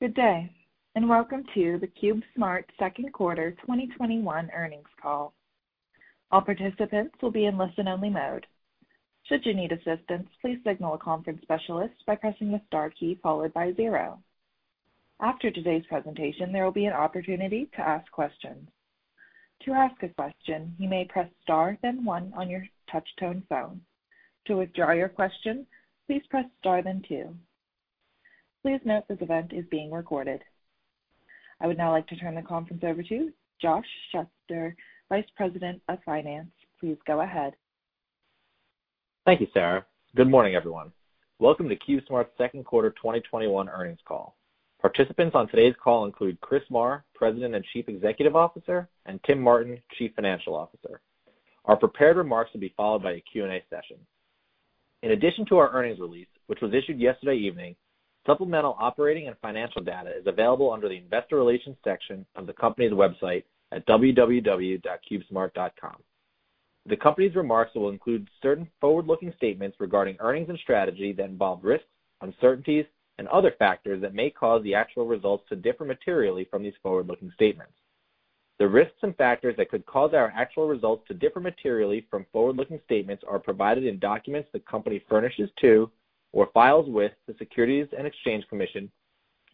Good day. Welcome to the CubeSmart second quarter 2021 earnings call. All participants will be in listen-only mode. Should you need assistance, please signal a conference specialist by pressing the star key followed by zero. After today's presentation, there will be an opportunity to ask questions. To ask a question, you may press star then one on your touchtone phone. To withdraw your question, please press star then two. Please note this event is being recorded. I would now like to turn the conference over to Josh Schutzer, Vice President of Finance. Please go ahead. Thank you, Sarah. Good morning, everyone. Welcome to CubeSmart's second quarter 2021 earnings call. Participants on today's call include Chris Marr, President and Chief Executive Officer, and Tim Martin, Chief Financial Officer. Our prepared remarks will be followed by a Q&A session. In addition to our earnings release, which was issued yesterday evening, supplemental operating and financial data is available under the investor relations section of the company's website at www.cubesmart.com. The company's remarks will include certain forward-looking statements regarding earnings and strategy that involve risks, uncertainties, and other factors that may cause the actual results to differ materially from these forward-looking statements. The risks and factors that could cause our actual results to differ materially from forward-looking statements are provided in documents the company furnishes to or files with the Securities and Exchange Commission,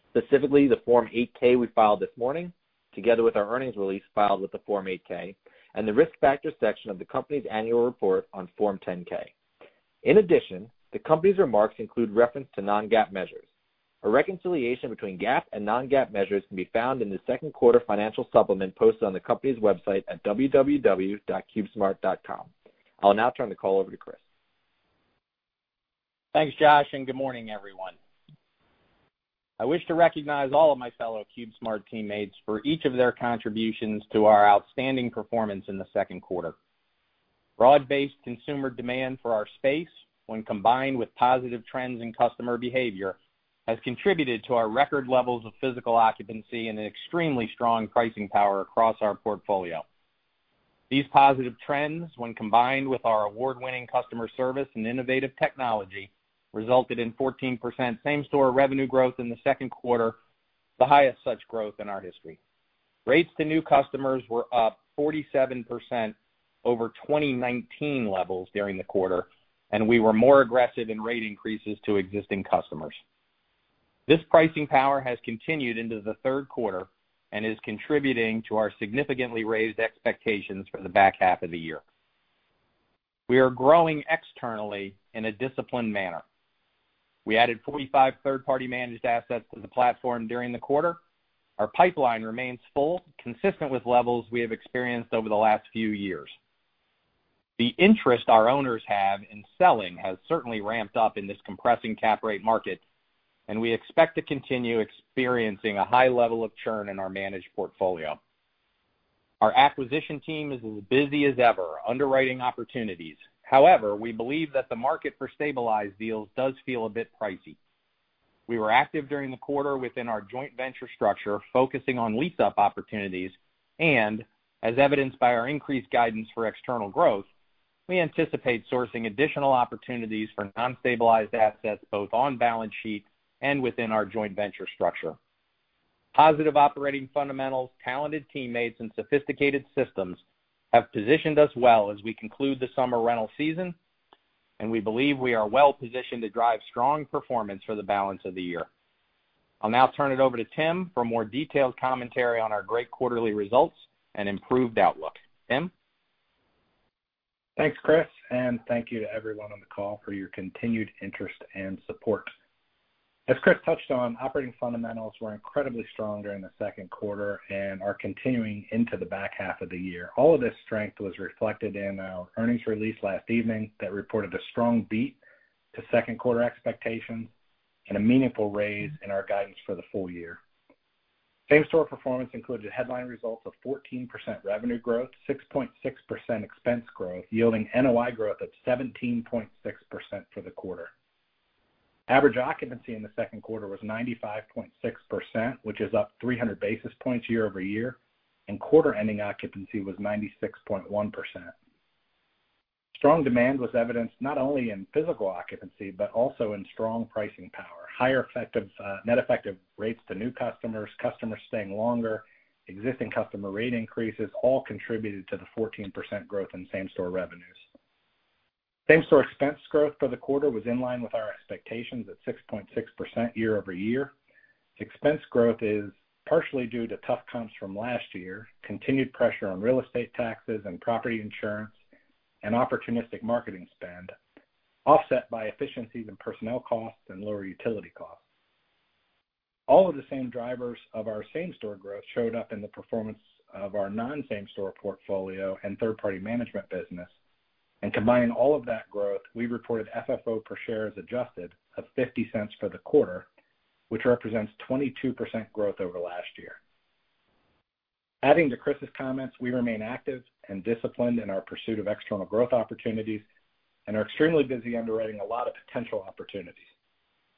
specifically the Form 8-K we filed this morning, together with our earnings release filed with the Form 8-K, and the Risk Factors section of the company's annual report on Form 10-K. In addition, the company's remarks include reference to non-GAAP measures. A reconciliation between GAAP and non-GAAP measures can be found in the second quarter financial supplement posted on the company's website at www.cubesmart.com. I'll now turn the call over to Chris. Thanks, Josh. Good morning, everyone. I wish to recognize all of my fellow CubeSmart teammates for each of their contributions to our outstanding performance in the second quarter. Broad-based consumer demand for our space, when combined with positive trends in customer behavior, has contributed to our record levels of physical occupancy and extremely strong pricing power across our portfolio. These positive trends, when combined with our award-winning customer service and innovative technology, resulted in 14% same-store revenue growth in the second quarter, the highest such growth in our history. Rates to new customers were up 47% over 2019 levels during the quarter, and we were more aggressive in rate increases to existing customers. This pricing power has continued into the third quarter and is contributing to our significantly raised expectations for the back half of the year. We are growing externally in a disciplined manner. We added 45 third-party managed assets to the platform during the quarter. Our pipeline remains full, consistent with levels we have experienced over the last few years. The interest our owners have in selling has certainly ramped up in this compressing cap rate market, and we expect to continue experiencing a high level of churn in our managed portfolio. Our acquisition team is as busy as ever underwriting opportunities. However, we believe that the market for stabilized deals does feel a bit pricey. We were active during the quarter within our joint venture structure, focusing on lease-up opportunities and, as evidenced by our increased guidance for external growth, we anticipate sourcing additional opportunities for non-stabilized assets, both on-balance sheet and within our joint venture structure. Positive operating fundamentals, talented teammates, and sophisticated systems have positioned us well as we conclude the summer rental season, and we believe we are well-positioned to drive strong performance for the balance of the year. I'll now turn it over to Tim for more detailed commentary on our great quarterly results and improved outlook. Tim? Thanks, Chris. Thank you to everyone on the call for your continued interest and support. As Chris touched on, operating fundamentals were incredibly strong during the second quarter and are continuing into the back half of the year. All of this strength was reflected in our earnings release last evening that reported a strong beat to second-quarter expectations and a meaningful raise in our guidance for the full year. Same-store performance included headline results of 14% revenue growth, 6.6% expense growth, yielding NOI growth of 17.6% for the quarter. Average occupancy in the second quarter was 95.6%, which is up 300 basis points year-over-year, and quarter-ending occupancy was 96.1%. Strong demand was evidenced not only in physical occupancy, but also in strong pricing power. Higher net effective rates to new customers staying longer, existing customer rate increases all contributed to the 14% growth in same-store revenues. Same-store expense growth for the quarter was in line with our expectations at 6.6% year-over-year. Expense growth is partially due to tough comps from last year, continued pressure on real estate taxes and property insurance, and opportunistic marketing spend, offset by efficiencies in personnel costs and lower utility costs. All of the same drivers of our same-store growth showed up in the performance of our non-same store portfolio and third-party management business. Combining all of that growth, we reported FFO per share as adjusted of $0.50 for the quarter, which represents 22% growth over last year. Adding to Chris's comments, we remain active and disciplined in our pursuit of external growth opportunities and are extremely busy underwriting a lot of potential opportunities.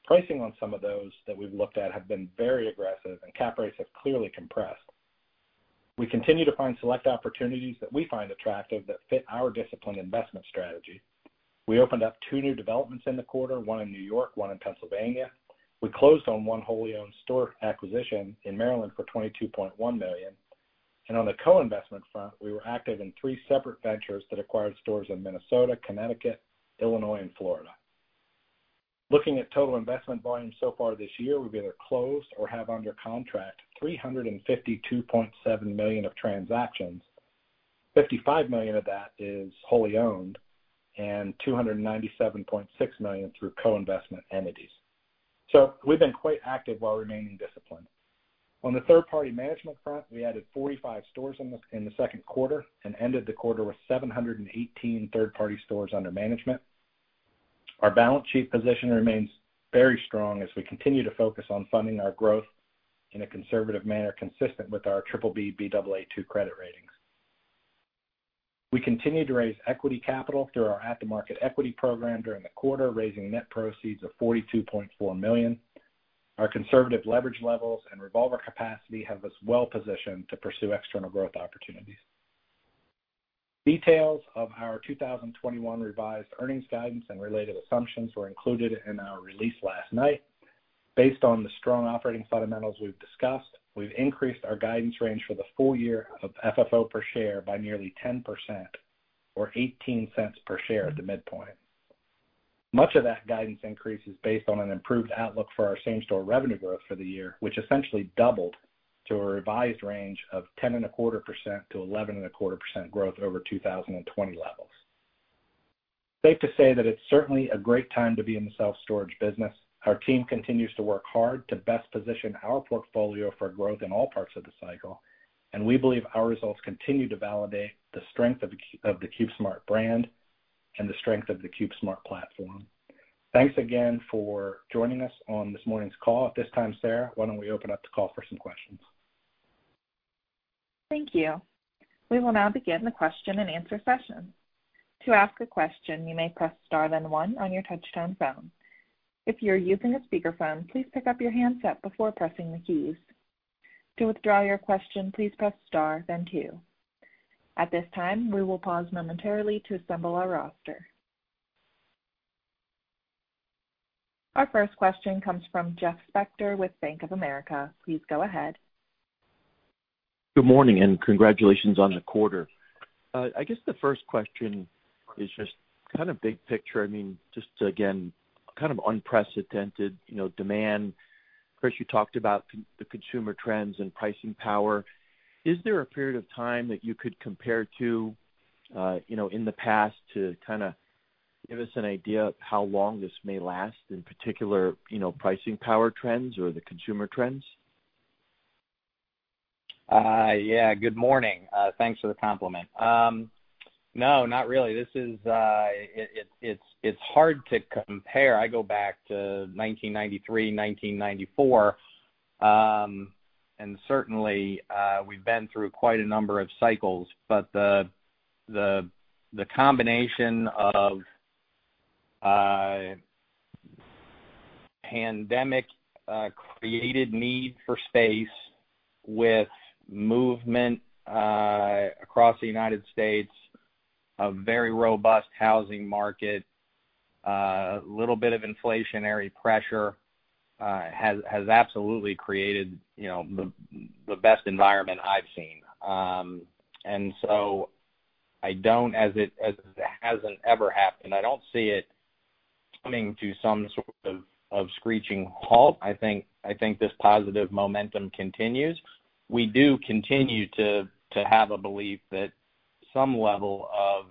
Pricing on some of those that we've looked at have been very aggressive and cap rates have clearly compressed. We continue to find select opportunities that we find attractive that fit our discipline investment strategy. We opened up two new developments in the quarter, one in New York, one in Pennsylvania. We closed on one wholly owned store acquisition in Maryland for $22.1 million. On the co-investment front, we were active in three separate ventures that acquired stores in Minnesota, Connecticut, Illinois, and Florida. Looking at total investment volume so far this year, we've either closed or have under contract $352.7 million of transactions. $55 million of that is wholly owned and $297.6 million through co-investment entities. We've been quite active while remaining disciplined. On the third-party management front, we added 45 stores in the second quarter and ended the quarter with 718 third-party stores under management. Our balance sheet position remains very strong as we continue to focus on funding our growth in a conservative manner consistent with our BBB Baa2 credit ratings. We continue to raise equity capital through our at-the-market equity program during the quarter, raising net proceeds of $42.4 million. Our conservative leverage levels and revolver capacity have us well-positioned to pursue external growth opportunities. Details of our 2021 revised earnings guidance and related assumptions were included in our release last night. Based on the strong operating fundamentals we've discussed, we've increased our guidance range for the full year of FFO per share by nearly 10% or $0.18 per share at the midpoint. Much of that guidance increase is based on an improved outlook for our same-store revenue growth for the year, which essentially doubled to a revised range of 10.25%-11.25% growth over 2020 levels. Safe to say that it's certainly a great time to be in the self-storage business. Our team continues to work hard to best position our portfolio for growth in all parts of the cycle, and we believe our results continue to validate the strength of the CubeSmart brand and the strength of the CubeSmart platform. Thanks again for joining us on this morning's call. At this time, Sarah, why don't we open up the call for some questions? Thank you. We will now begin the question and answer session. To ask a question, you may press star, then one on your touchtone phone. If you're using a speakerphone, please pick up your handset before pressing the keys. To withdraw your question, please press star, then two. At this time, we will pause momentarily to assemble our roster. Our first question comes from Jeffrey Spector with Bank of America. Please go ahead. Good morning. Congratulations on the quarter. I guess the first question is just kind of big picture. Just again, kind of unprecedented demand. Chris, you talked about the consumer trends and pricing power. Is there a period of time that you could compare to in the past to kind of give us an idea of how long this may last, in particular pricing power trends or the consumer trends? Good morning. Thanks for the compliment. No, not really. It's hard to compare. I go back to 1993, 1994. Certainly, we've been through quite a number of cycles. The combination of pandemic-created need for space with movement across the United States, a very robust housing market, a little bit of inflationary pressure has absolutely created the best environment I've seen. As it hasn't ever happened, I don't see it coming to some sort of screeching halt. I think this positive momentum continues. We do continue to have a belief that some level of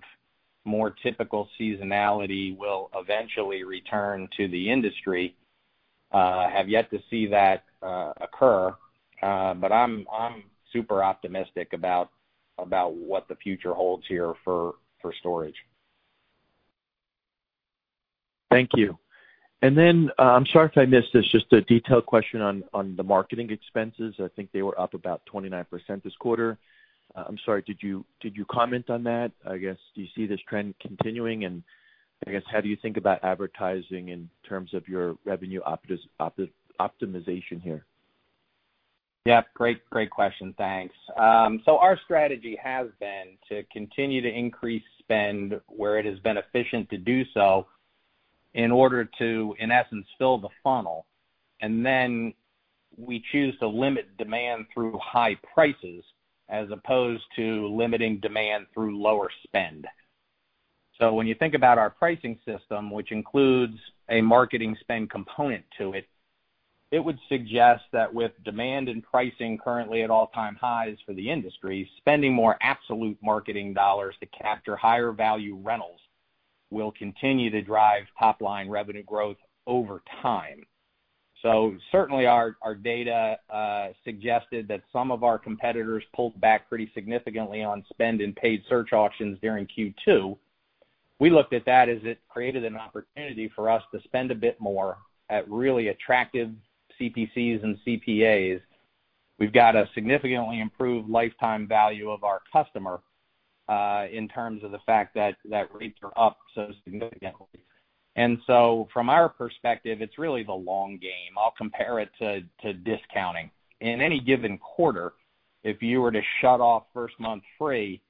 more typical seasonality will eventually return to the industry. Have yet to see that occur. I'm super optimistic about what the future holds here for storage. Thank you. I'm sorry if I missed this, just a detailed question on the marketing expenses. I think they were up about 29% this quarter. I'm sorry, did you comment on that? I guess, do you see this trend continuing, and I guess, how do you think about advertising in terms of your revenue optimization here? Yeah. Great question. Thanks. Our strategy has been to continue to increase spend where it is beneficial to do so in order to, in essence, fill the funnel. We choose to limit demand through high prices as opposed to limiting demand through lower spend. When you think about our pricing system, which includes a marketing spend component to it would suggest that with demand and pricing currently at all-time highs for the industry, spending more absolute marketing dollars to capture higher value rentals will continue to drive top-line revenue growth over time. Certainly our data suggested that some of our competitors pulled back pretty significantly on spend and paid search auctions during Q2. We looked at that as it created an opportunity for us to spend a bit more at really attractive CPCs and CPAs. We've got a significantly improved lifetime value of our customer. In terms of the fact that rates are up so significantly. From our perspective, it's really the long game. I'll compare it to discounting. In any given quarter, if you were to shut off first month free,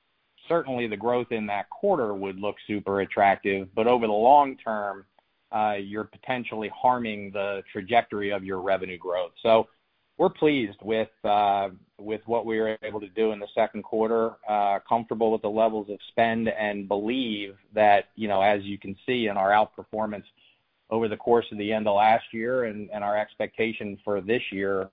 certainly the growth in that quarter would look super attractive, but over the long term, you're potentially harming the trajectory of your revenue growth. We're pleased with what we are able to do in the second quarter, comfortable with the levels of spend and believe that, as you can see in our outperformance over the course of the end of last year and our expectation for this year,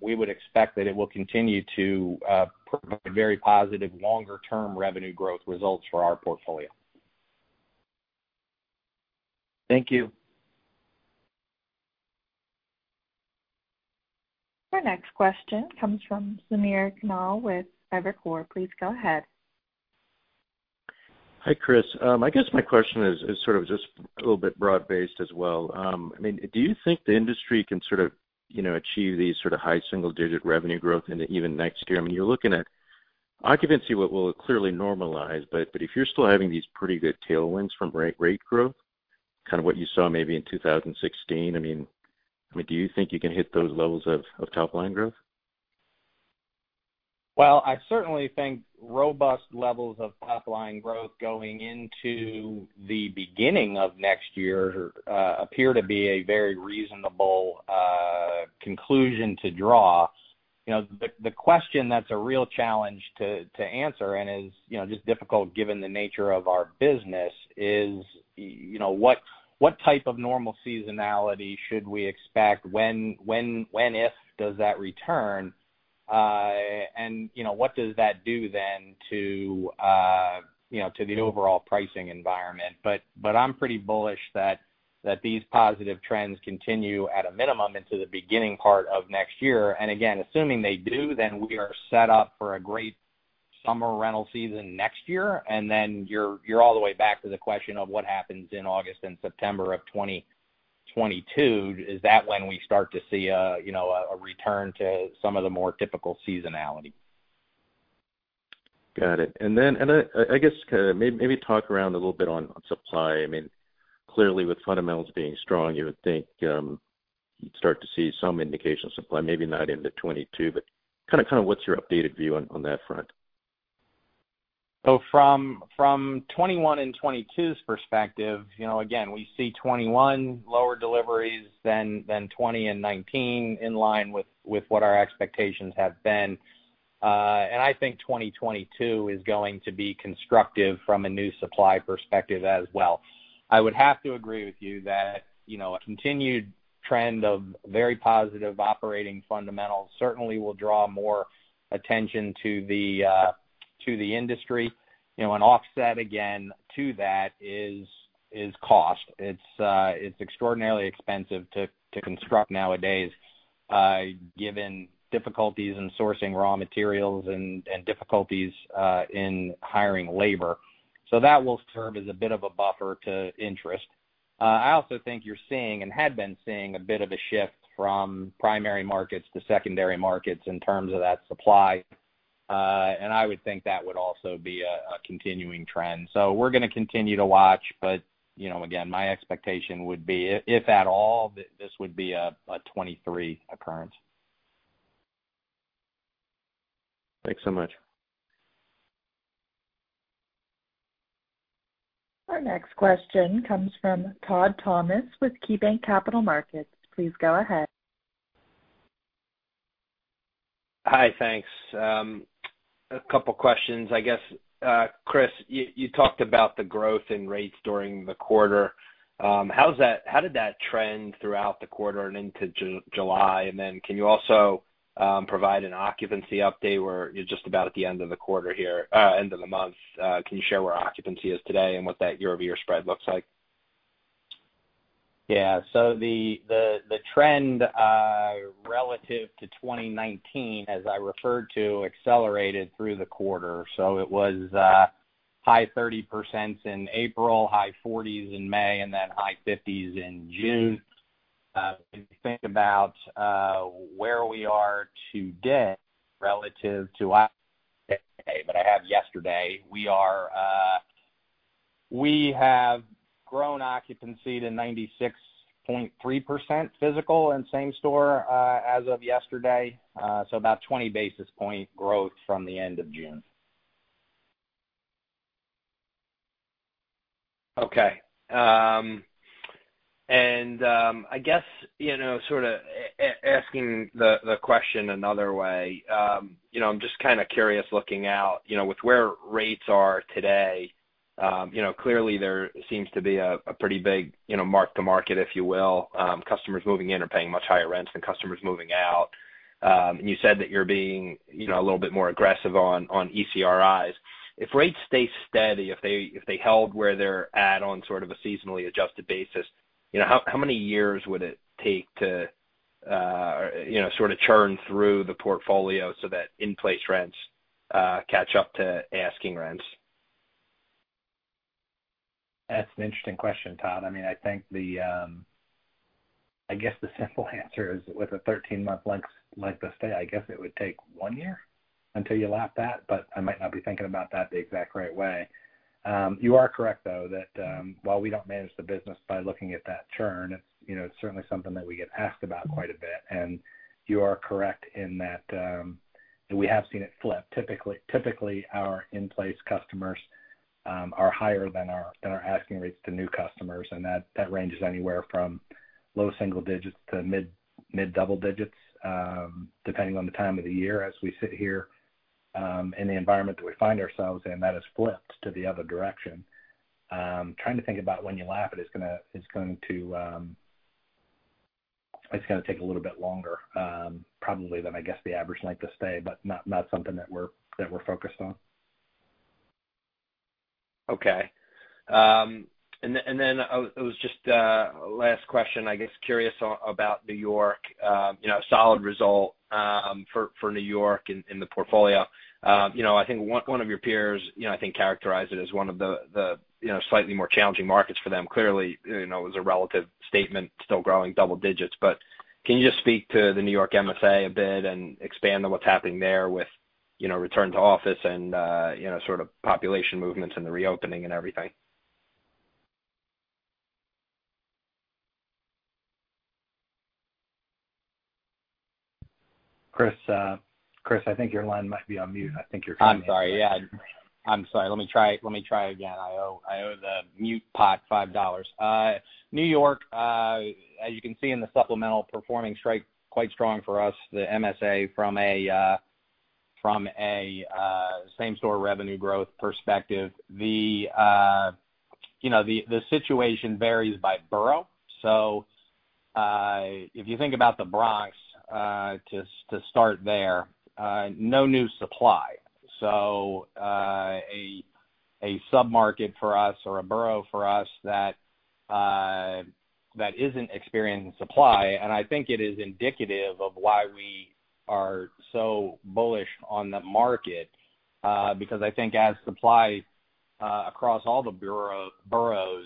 we would expect that it will continue to provide very positive longer-term revenue growth results for our portfolio. Thank you. Our next question comes from Samir Khanal with Evercore. Please go ahead. Hi, Chris. I guess my question is sort of just a little bit broad-based as well. Do you think the industry can achieve these high single-digit revenue growth into even next year? You're looking at occupancy will clearly normalize, but if you're still having these pretty good tailwinds from rate growth, kind of what you saw maybe in 2016, do you think you can hit those levels of top-line growth? I certainly think robust levels of top-line growth going into the beginning of next year appear to be a very reasonable conclusion to draw. The question that's a real challenge to answer and is just difficult given the nature of our business is, what type of normal seasonality should we expect? When, if, does that return? What does that do then to the overall pricing environment? I'm pretty bullish that these positive trends continue at a minimum into the beginning part of next year. Again, assuming they do, we are set up for a great summer rental season next year, and then you're all the way back to the question of what happens in August and September of 2022. Is that when we start to see a return to some of the more typical seasonality. Got it. I guess maybe talk around a little bit on supply. Clearly with fundamentals being strong, you would think you'd start to see some indication of supply, maybe not into 2022, but kind of what's your updated view on that front? From 2021 and 2022's perspective, again, we see 2021 lower deliveries than 2020 and 2019, in line with what our expectations have been. I think 2022 is going to be constructive from a new supply perspective as well. I would have to agree with you that a continued trend of very positive operating fundamentals certainly will draw more attention to the industry. An offset, again, to that is cost. It's extraordinarily expensive to construct nowadays, given difficulties in sourcing raw materials and difficulties in hiring labor. That will serve as a bit of a buffer to interest. I also think you're seeing, and had been seeing, a bit of a shift from primary markets to secondary markets in terms of that supply. I would think that would also be a continuing trend. We're going to continue to watch, but again, my expectation would be, if at all, this would be a 2023 occurrence. Thanks so much. Our next question comes from Todd Thomas with KeyBanc Capital Markets. Please go ahead. Hi, thanks. A couple questions, I guess. Chris, you talked about the growth in rates during the quarter. How did that trend throughout the quarter and into July? Can you also provide an occupancy update where you're just about at the end of the month? Can you share where occupancy is today and what that year-over-year spread looks like? The trend relative to 2019, as I referred to, accelerated through the quarter. It was high 30% in April, high 40s% in May, and then high 50s% in June. If you think about where we are today relative to that I have yesterday, we have grown occupancy to 96.3% physical and same store as of yesterday. About 20 basis point growth from the end of June. Okay. I guess, sort of asking the question another way. I'm just kind of curious, looking out, with where rates are today, clearly there seems to be a pretty big mark to market, if you will. Customers moving in are paying much higher rents than customers moving out. You said that you're being a little bit more aggressive on ECRIs. If rates stay steady, if they held where they're at on sort of a seasonally adjusted basis, how many years would it take to sort of churn through the portfolio so that in-place rents catch up to asking rents? That's an interesting question, Todd. I think the simple answer is with a 13-month length of stay, I guess it would take one year until you lap that, but I might not be thinking about that the exact right way. You are correct, though, that while we don't manage the business by looking at that churn, it's certainly something that we get asked about quite a bit. You are correct in that we have seen it flip. Typically, our in-place customers are higher than our asking rates to new customers, and that ranges anywhere from low single digits to mid-double digits, depending on the time of the year. As we sit here in the environment that we find ourselves in, that has flipped to the other direction. I'm trying to think about when you lap it's going to take a little bit longer, probably, than, I guess, the average length of stay, but not something that we're focused on. Okay. It was just a last question, I guess, curious about New York. A solid result for New York in the portfolio. I think one of your peers characterized it as one of the slightly more challenging markets for them. Clearly, it was a relative statement, still growing double digits. Can you just speak to the New York MSA a bit and expand on what's happening there with return to office and sort of population movements and the reopening and everything? Chris, I think your line might be on mute. I think you're coming in. I'm sorry. Yeah. I'm sorry. Let me try again. I owe the mute pot $5. New York, as you can see in the supplemental, performing quite strong for us, the MSA, from a same-store revenue growth perspective. The situation varies by borough. If you think about the Bronx, to start there, no new supply. A sub-market for us or a borough for us that isn't experiencing supply. I think it is indicative of why we are so bullish on the market, because I think as supply across all the boroughs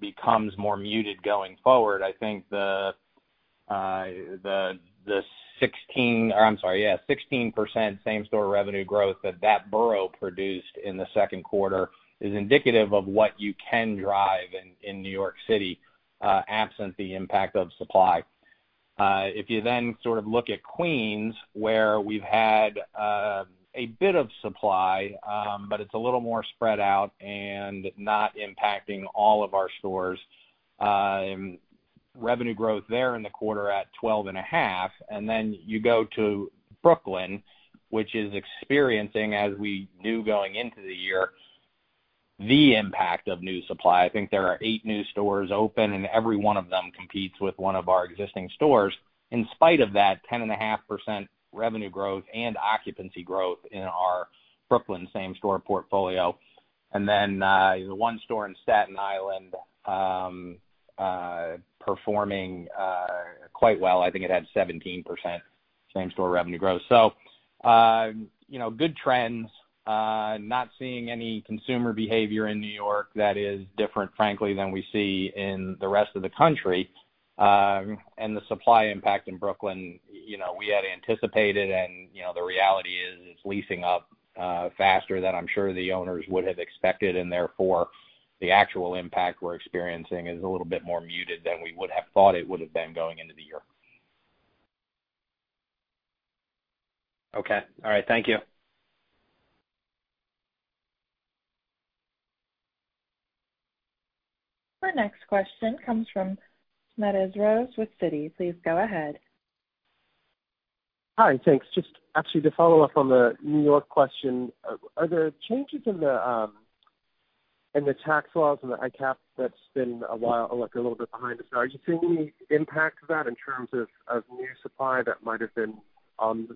becomes more muted going forward. I think the 16% same-store revenue growth that that borough produced in the second quarter is indicative of what you can drive in New York City, absent the impact of supply. If you sort of look at Queens, where we've had a bit of supply, but it's a little more spread out and not impacting all of our stores. Revenue growth there in the quarter at 12.5%. You go to Brooklyn, which is experiencing, as we knew going into the year, the impact of new supply. I think there are eight new stores open, and every one of them competes with one of our existing stores. In spite of that, 10.5% revenue growth and occupancy growth in our Brooklyn same-store portfolio. The one store in Staten Island performing quite well. I think it had 17% same-store revenue growth. Good trends. Not seeing any consumer behavior in New York that is different, frankly, than we see in the rest of the country. The supply impact in Brooklyn, we had anticipated, and the reality is it's leasing up faster than I'm sure the owners would have expected, and therefore, the actual impact we're experiencing is a little bit more muted than we would have thought it would have been going into the year. Okay. All right. Thank you. Our next question comes from Smedes Rose with Citi. Please go ahead. Hi, thanks. Just actually to follow up on the N.Y. question, are there changes in the tax laws and the ICAP that's been a while, like a little bit behind the curve? Are you seeing any impact of that in terms of new supply that might have been on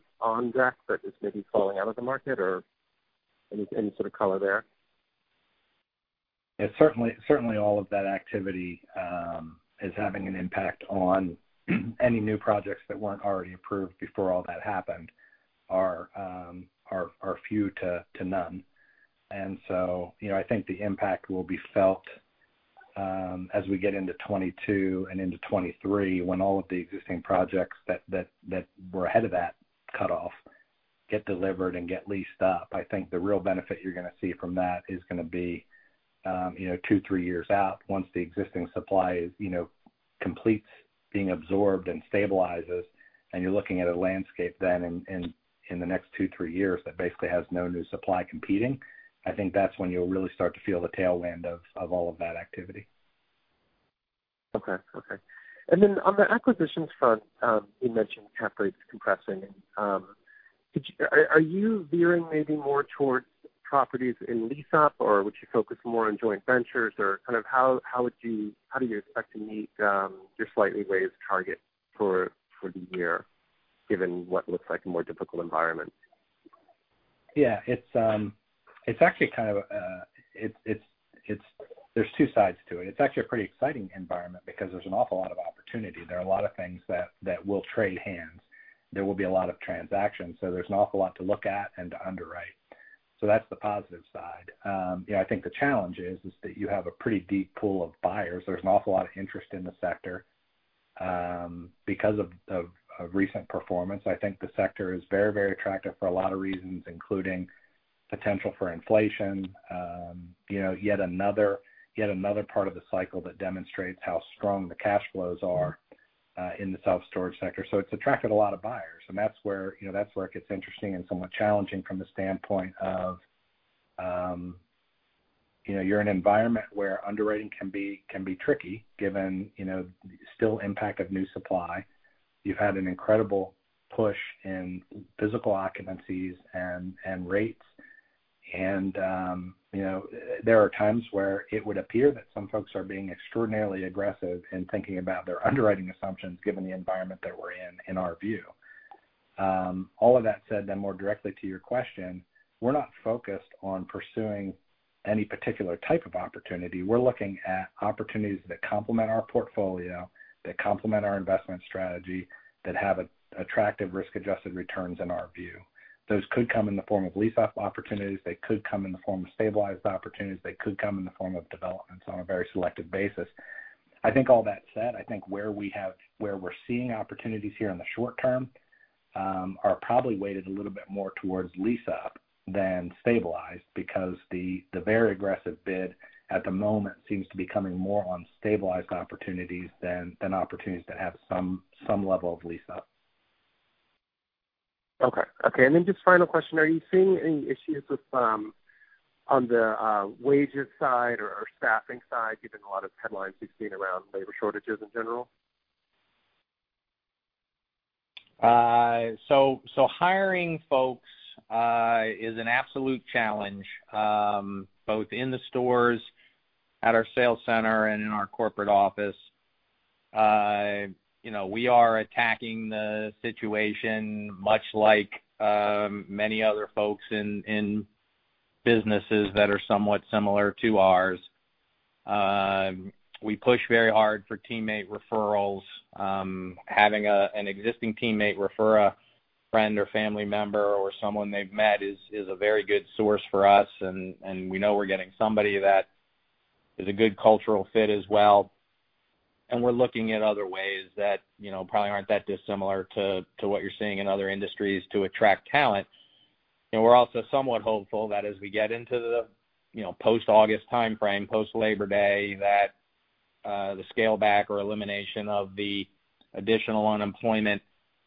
deck but is maybe falling out of the market, or any sort of color there? Certainly all of that activity is having an impact on any new projects that weren't already approved before all that happened are few to none. I think the impact will be felt as we get into 2022 and into 2023 when all of the existing projects that were ahead of that cutoff get delivered and get leased up. I think the real benefit you're going to see from that is going to be two, three years out, once the existing supply completes being absorbed and stabilizes, and you're looking at a landscape then in the next two, three years that basically has no new supply competing. I think that's when you'll really start to feel the tailwind of all of that activity. Okay. Then on the acquisitions front, you mentioned cap rates compressing. Are you veering maybe more towards properties in lease-up, or would you focus more on joint ventures? Kind of how do you expect to meet your slightly raised target for the year, given what looks like a more difficult environment? There's two sides to it. It's actually a pretty exciting environment because there's an awful lot of opportunity. There are a lot of things that will trade hands. There will be a lot of transactions, there's an awful lot to look at and to underwrite. That's the positive side. I think the challenge is that you have a pretty deep pool of buyers. There's an awful lot of interest in the sector because of recent performance. I think the sector is very attractive for a lot of reasons, including potential for inflation, yet another part of the cycle that demonstrates how strong the cash flows are in the self-storage sector. It's attracted a lot of buyers, and that's where it gets interesting and somewhat challenging from the standpoint of you're in an environment where underwriting can be tricky given still impact of new supply. You've had an incredible push in physical occupancies and rates. There are times where it would appear that some folks are being extraordinarily aggressive in thinking about their underwriting assumptions given the environment that we're in our view. All of that said, more directly to your question, we're not focused on pursuing any particular type of opportunity. We're looking at opportunities that complement our portfolio, that complement our investment strategy, that have attractive risk-adjusted returns in our view. Those could come in the form of lease-up opportunities. They could come in the form of stabilized opportunities. They could come in the form of developments on a very selective basis. I think all that said, I think where we're seeing opportunities here in the short term are probably weighted a little bit more towards lease-up than stabilized because the very aggressive bid at the moment seems to be coming more on stabilized opportunities than opportunities that have some level of lease-up. Okay. Just final question, are you seeing any issues on the wages side or staffing side, given a lot of headlines we've seen around labor shortages in general? Hiring folks is an absolute challenge both in the stores, at our sales center, and in our corporate office. We are attacking the situation much like many other folks in businesses that are somewhat similar to ours. We push very hard for teammate referrals. Having an existing teammate refer a friend or family member or someone they've met is a very good source for us, and we know we're getting somebody that is a good cultural fit as well. And we're looking at other ways that probably aren't that dissimilar to what you're seeing in other industries to attract talent. We're also somewhat hopeful that as we get into the post-August timeframe, post-Labor Day, that the scale back or elimination of the additional unemployment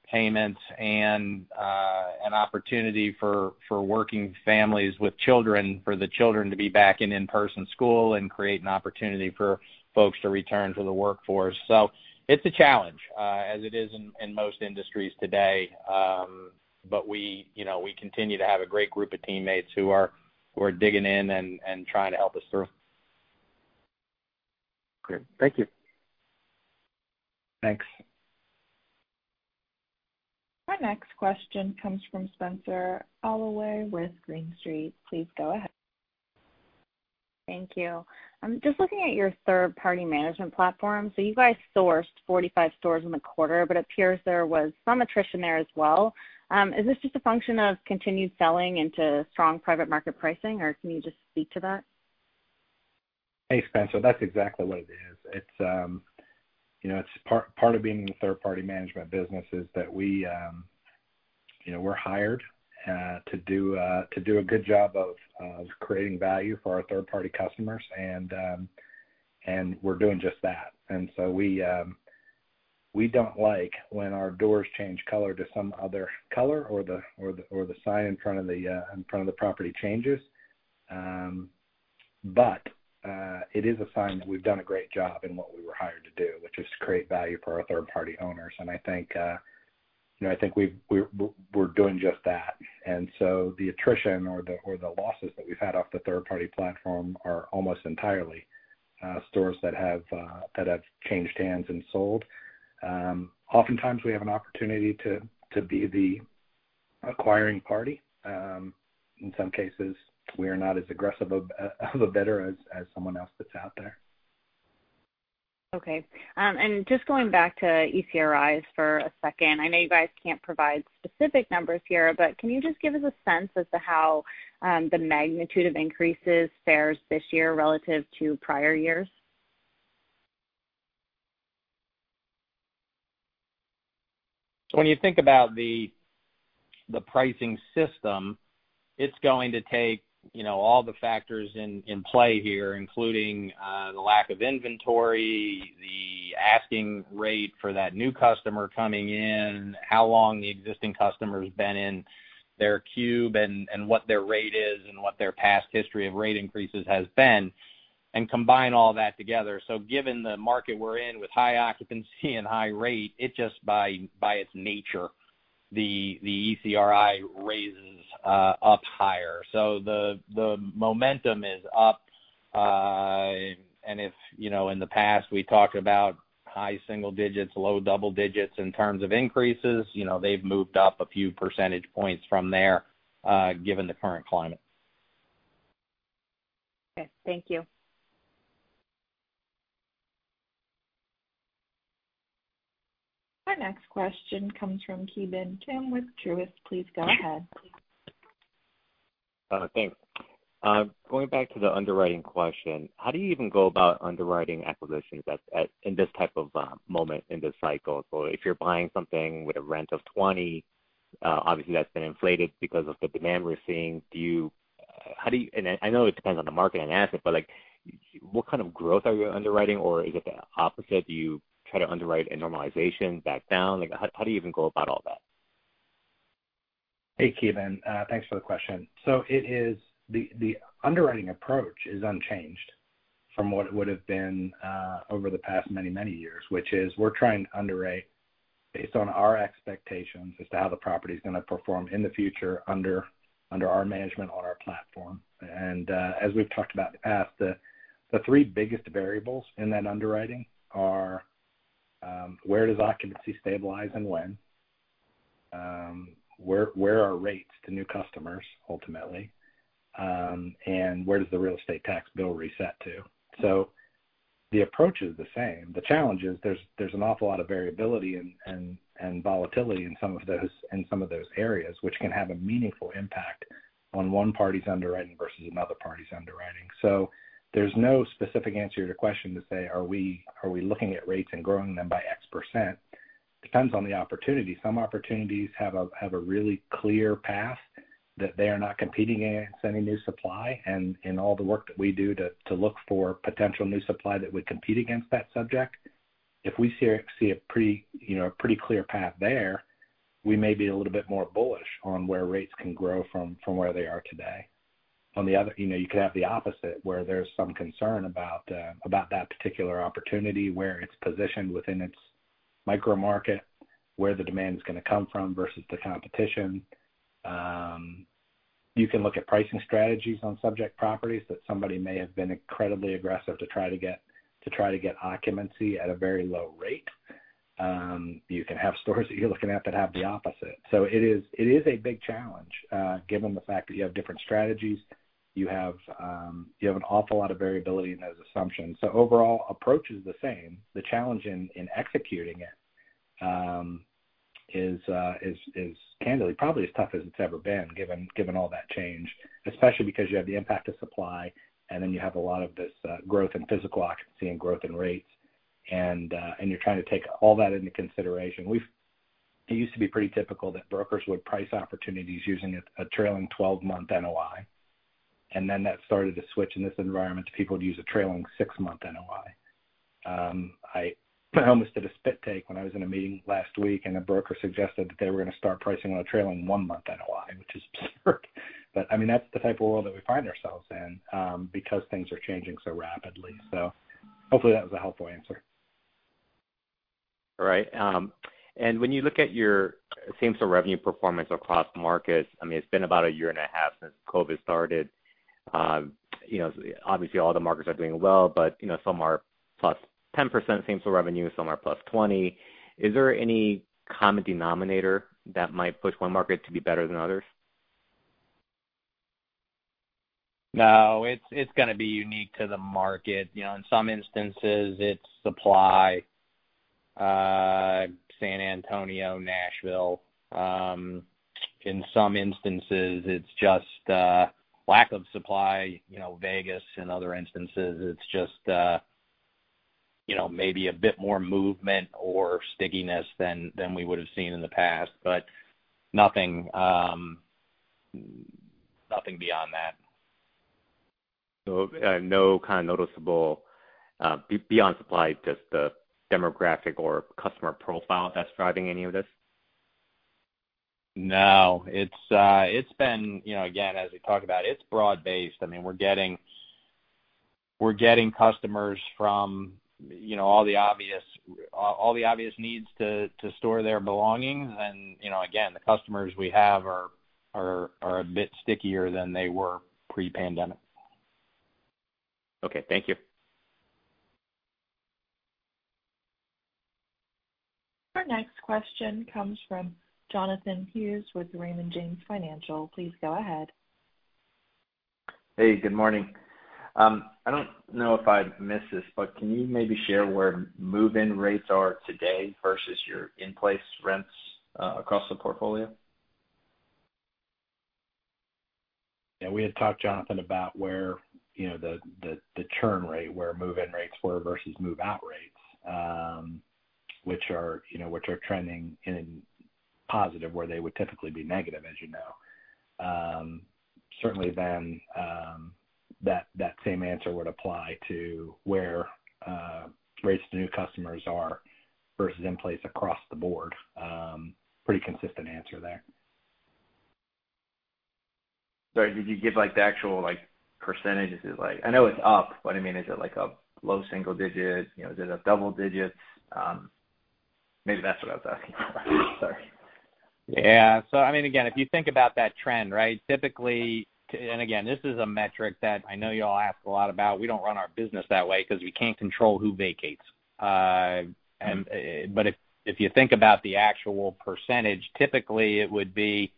payments and an opportunity for working families with children, for the children to be back in in-person school and create an opportunity for folks to return to the workforce. It's a challenge, as it is in most industries today. We continue to have a great group of teammates who are digging in and trying to help us through. Great. Thank you. Thanks. Our next question comes from Spenser Allaway with Green Street. Please go ahead. Thank you. Just looking at your third-party management platform. You guys sourced 45 stores in the quarter, but it appears there was some attrition there as well. Is this just a function of continued selling into strong private market pricing, or can you just speak to that? Hey, Spenser. That's exactly what it is. Part of being in the third-party management business is that we're hired to do a good job of creating value for our third-party customers, and we're doing just that. We don't like when our doors change color to some other color or the sign in front of the property changes. It is a sign that we've done a great job in what we were hired to do, which is to create value for our third-party owners. I think we're doing just that. The attrition or the losses that we've had off the third-party platform are almost entirely stores that have changed hands and sold. Oftentimes, we have an opportunity to be the acquiring party. In some cases, we are not as aggressive of a bidder as someone else that's out there. Okay. Just going back to ECRIs for a second, I know you guys can't provide specific numbers here, but can you just give us a sense as to how the magnitude of increases fares this year relative to prior years? When you think about the pricing system, it's going to take all the factors in play here, including the lack of inventory, the asking rate for that new customer coming in, how long the existing customer's been in their cube and what their rate is and what their past history of rate increases has been, and combine all that together. Given the market we're in with high occupancy and high rate, it just by its nature, the ECRI raises up higher. The momentum is up. If in the past we talked about high single digits, low double digits in terms of increases, they've moved up a few percentage points from there given the current climate. Okay. Thank you. Our next question comes from Ki Bin Kim with Truist. Please go ahead. Thanks. Going back to the underwriting question, how do you even go about underwriting acquisitions in this type of moment in this cycle? If you're buying something with a rent of $20, obviously that's been inflated because of the demand we're seeing. I know it depends on the market and asset, but what kind of growth are you underwriting, or is it the opposite? Do you try to underwrite a normalization back down? How do you even go about all that? Hey, Ki Bin. Thanks for the question. The underwriting approach is unchanged from what it would've been over the past many years, which is we're trying to underwrite based on our expectations as to how the property's going to perform in the future under our management on our platform. As we've talked about in the past, the three biggest variables in that underwriting are, where does occupancy stabilize and when? Where are rates to new customers, ultimately? Where does the real estate tax bill reset to? The approach is the same. The challenge is there's an awful lot of variability and volatility in some of those areas, which can have a meaningful impact on one party's underwriting versus another party's underwriting. There's no specific answer to your question to say, are we looking at rates and growing them by X%? Depends on the opportunity. Some opportunities have a really clear path that they are not competing against any new supply. In all the work that we do to look for potential new supply that would compete against that subject, if we see a pretty clear path there, we may be a little bit more bullish on where rates can grow from where they are today. You could have the opposite where there's some concern about that particular opportunity, where it's positioned within its micro-market, where the demand is going to come from versus the competition. You can look at pricing strategies on subject properties that somebody may have been incredibly aggressive to try to get occupancy at a very low rate. You can have stores that you're looking at that have the opposite. It is a big challenge, given the fact that you have different strategies. You have an awful lot of variability in those assumptions. Overall approach is the same. The challenge in executing it is candidly probably as tough as it's ever been given all that change, especially because you have the impact of supply, and then you have a lot of this growth in physical occupancy and growth in rates. You're trying to take all that into consideration. It used to be pretty typical that brokers would price opportunities using a trailing 12-month NOI, and then that started to switch in this environment to people to use a trailing six-month NOI. I almost did a spit take when I was in a meeting last week and a broker suggested that they were going to start pricing on a trailing one-month NOI, which is absurd. That's the type of world that we find ourselves in because things are changing so rapidly. Hopefully that was a helpful answer. Right. When you look at your same store revenue performance across markets, it's been about 1.5 years since COVID started. Obviously, all the markets are doing well, but some are +10% same store revenue, some are +20%. Is there any common denominator that might push one market to be better than others? No, it's going to be unique to the market. In some instances, it's supply, San Antonio, Nashville. In some instances, it's just lack of supply, Vegas. In other instances, it's just maybe a bit more movement or stickiness than we would've seen in the past, but nothing beyond that. No kind of noticeable, beyond supply, just the demographic or customer profile that's driving any of this? No. Again, as we talk about, it's broad based. We're getting customers from all the obvious needs to store their belongings, and again, the customers we have are a bit stickier than they were pre-pandemic. Okay, thank you. Our next question comes from Jonathan Hughes with Raymond James Financial. Please go ahead. Hey, good morning. I don't know if I missed this, but can you maybe share where move-in rates are today versus your in-place rents across the portfolio? Yeah, we had talked, Jonathan, about where the churn rate, where move-in rates were versus move-out rates, which are trending positive where they would typically be negative, as you know. Certainly, that same answer would apply to where rates to new customers are versus in place across the board. Pretty consistent answer there. Sorry, did you give the actual percentages? I know it's up, but is it a low single digit? Is it a double digits? Maybe that's what I was asking. Sorry. Yeah. Again, if you think about that trend, right? Again, this is a metric that I know you all ask a lot about. We don't run our business that way because we can't control who vacates. If you think about the actual percentage, typically it would be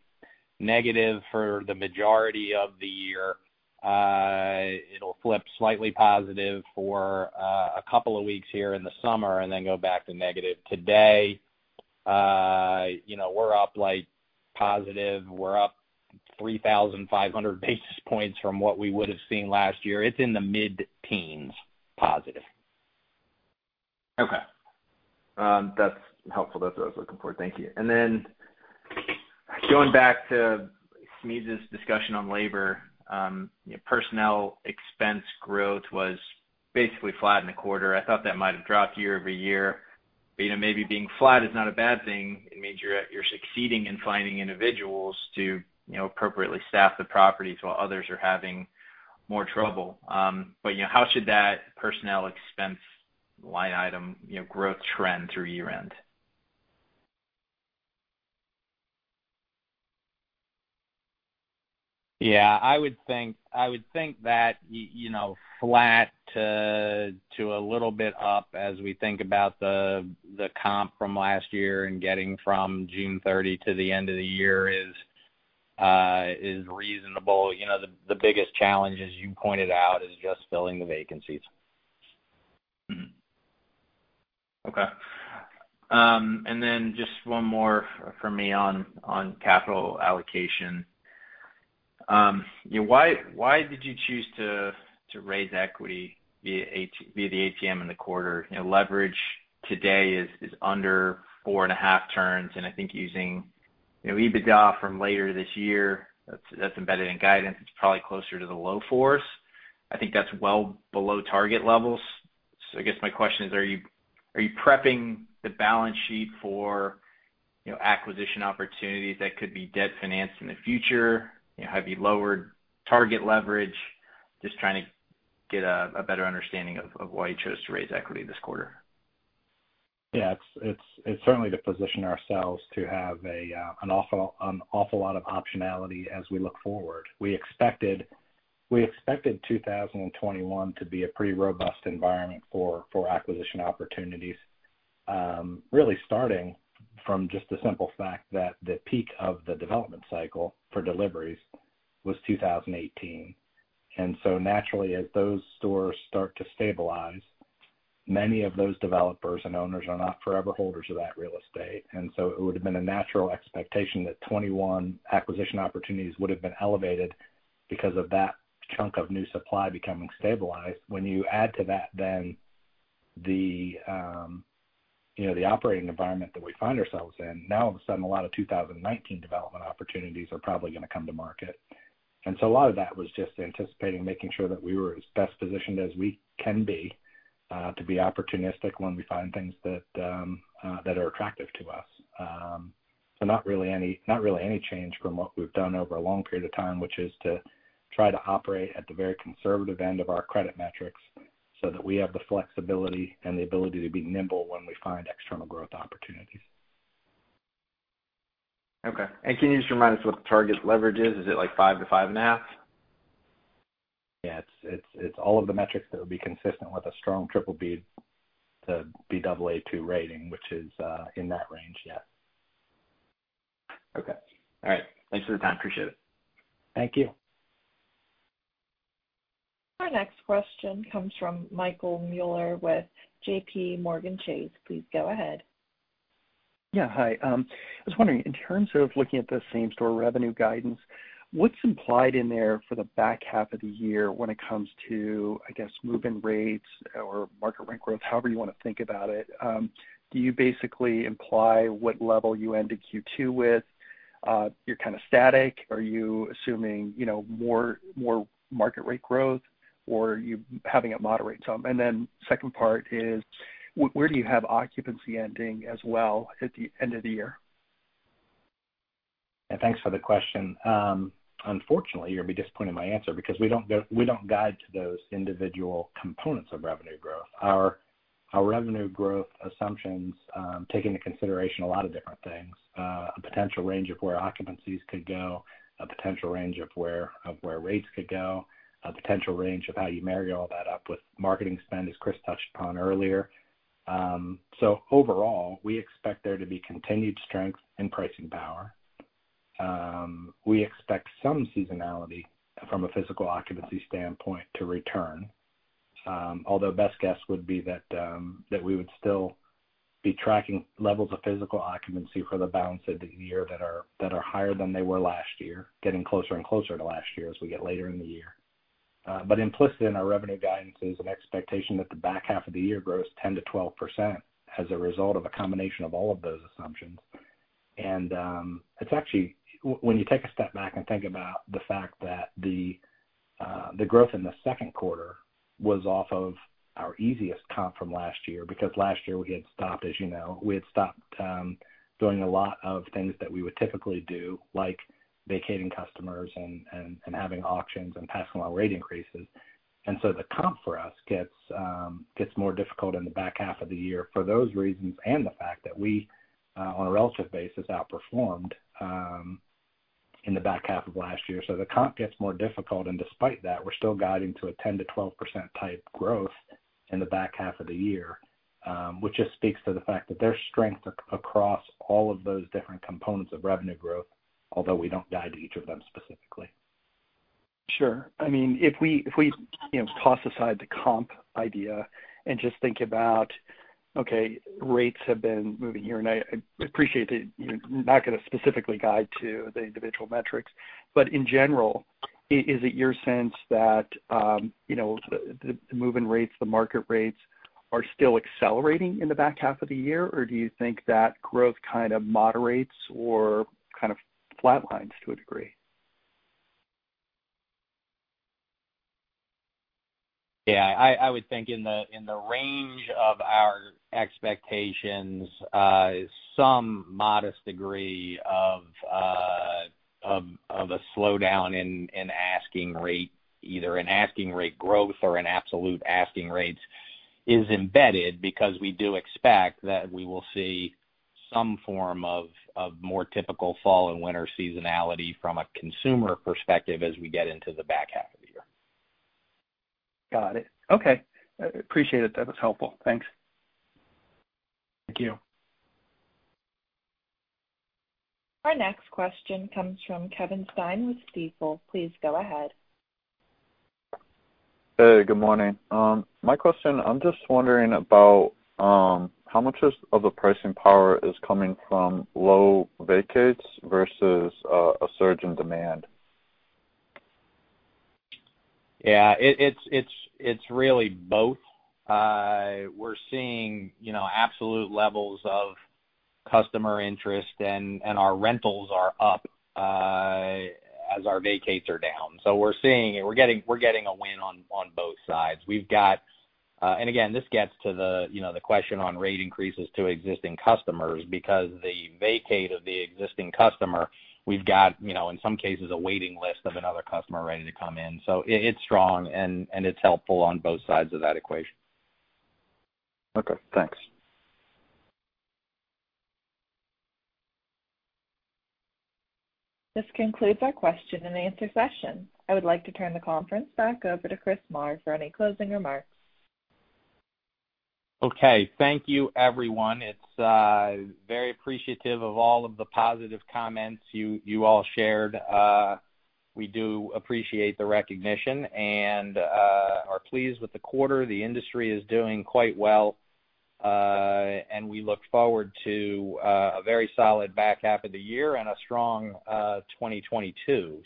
negative for the majority of the year. It'll flip slightly positive for a couple of weeks here in the summer and then go back to negative. Today, we're up positive. We're up 3,500 basis points from what we would've seen last year. It's in the mid-teens positive. Okay. That's helpful. That's what I was looking for. Thank you. Going back to Smedes' discussion on labor, personnel expense growth was basically flat in the quarter. I thought that might have dropped year-over-year, maybe being flat is not a bad thing. It means you're succeeding in finding individuals to appropriately staff the properties while others are having more trouble. How should that personnel expense line item growth trend through year-end? Yeah, I would think that flat to a little bit up as we think about the comp from last year and getting from June 30 to the end of the year is reasonable. The biggest challenge, as you pointed out, is just filling the vacancies. Okay. Just one more from me on capital allocation. Why did you choose to raise equity via the ATM in the quarter? Leverage today is under 4.5 turns, and I think using EBITDA from later this year, that's embedded in guidance. It's probably closer to the low 4s. I think that's well below target levels. I guess my question is, are you prepping the balance sheet for acquisition opportunities that could be debt financed in the future? Have you lowered target leverage? Just trying to get a better understanding of why you chose to raise equity this quarter. It's certainly to position ourselves to have an awful lot of optionality as we look forward. We expected 2021 to be a pretty robust environment for acquisition opportunities, really starting from just the simple fact that the peak of the development cycle for deliveries was 2018. Naturally, as those stores start to stabilize, many of those developers and owners are not forever holders of that real estate. It would've been a natural expectation that 2021 acquisition opportunities would've been elevated because of that chunk of new supply becoming stabilized. When you add to that then the operating environment that we find ourselves in, now all of a sudden, a lot of 2019 development opportunities are probably going to come to market. A lot of that was just anticipating making sure that we were as best positioned as we can be to be opportunistic when we find things that are attractive to us. Not really any change from what we've done over a long period of time, which is to try to operate at the very conservative end of our credit metrics so that we have the flexibility and the ability to be nimble when we find external growth opportunities. Okay. Can you just remind us what the target leverage is? Is it like 5-5.5? Yeah. It's all of the metrics that would be consistent with a strong BBB to Baa2 rating, which is in that range, yeah. Okay. All right. Thanks for the time. Appreciate it. Thank you. Our next question comes from Michael Mueller with JPMorgan. Please go ahead. Hi. I was wondering, in terms of looking at the same-store revenue guidance, what's implied in there for the back half of the year when it comes to, I guess, move-in rates or market rent growth, however you want to think about it? Do you basically imply what level you end in Q2 with? You're kind of static. Are you assuming more market rate growth, or are you having it moderate some? Second part is, where do you have occupancy ending as well at the end of the year? Yeah. Thanks for the question. Unfortunately, you're going to be disappointed in my answer because we don't guide to those individual components of revenue growth. Our revenue growth assumptions take into consideration a lot of different things, a potential range of where occupancies could go, a potential range of where rates could go, a potential range of how you marry all that up with marketing spend, as Chris touched upon earlier. Overall, we expect there to be continued strength in pricing power. We expect some seasonality from a physical occupancy standpoint to return, although best guess would be that we would still be tracking levels of physical occupancy for the balance of the year that are higher than they were last year, getting closer and closer to last year as we get later in the year. Implicit in our revenue guidance is an expectation that the back half of the year grows 10%-12% as a result of a combination of all of those assumptions. When you take a step back and think about the fact that the growth in the second quarter was off of our easiest comp from last year, because last year we had stopped, as you know. We had stopped doing a lot of things that we would typically do, like vacating customers and having auctions and passing on rate increases. The comp for us gets more difficult in the back half of the year for those reasons and the fact that we, on a relative basis, outperformed in the back half of last year. The comp gets more difficult, and despite that, we're still guiding to a 10%-12% type growth in the back half of the year, which just speaks to the fact that there's strength across all of those different components of revenue growth, although we don't guide to each of them specifically. Sure. If we toss aside the comp idea and just think about, okay, rates have been moving here, and I appreciate that you're not going to specifically guide to the individual metrics, but in general, is it your sense that the move-in rates, the market rates, are still accelerating in the back half of the year, or do you think that growth kind of moderates or kind of flat lines to a degree? Yeah. I would think in the range of our expectations, some modest degree of a slowdown in asking rate, either in asking rate growth or in absolute asking rates is embedded because we do expect that we will see some form of more typical fall and winter seasonality from a consumer perspective as we get into the back half of the year. Got it. Okay. Appreciate it. That was helpful. Thanks. Thank you. Our next question comes from Kevin Stein with Stifel. Please go ahead. Hey, good morning. My question, I'm just wondering about how much of the pricing power is coming from low vacates versus a surge in demand. Yeah. It's really both. We're seeing absolute levels of customer interest, and our rentals are up as our vacates are down. We're getting a win on both sides. We've got. Again, this gets to the question on rate increases to existing customers because the vacate of the existing customer, we've got, in some cases, a waiting list of another customer ready to come in. It's strong and it's helpful on both sides of that equation. Okay, thanks. This concludes our question and answer session. I would like to turn the conference back over to Chris Marr for any closing remarks. Okay. Thank you everyone. It's very appreciative of all of the positive comments you all shared. We do appreciate the recognition and are pleased with the quarter. The industry is doing quite well. We look forward to a very solid back half of the year and a strong 2022.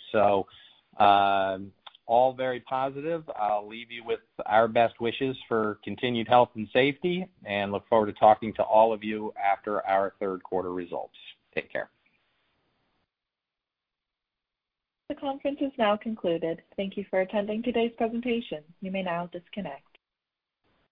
All very positive. I'll leave you with our best wishes for continued health and safety, and look forward to talking to all of you after our third quarter results. Take care. The conference is now concluded. Thank you for attending today's presentation. You may now disconnect.